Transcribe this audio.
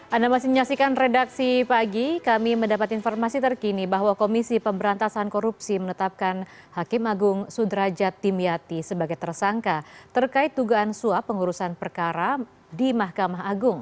anda masih menyaksikan redaksi pagi kami mendapat informasi terkini bahwa komisi pemberantasan korupsi menetapkan hakim agung sudrajat timyati sebagai tersangka terkait tugaan suap pengurusan perkara di mahkamah agung